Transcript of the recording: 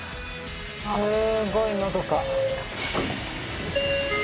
すごいのどか。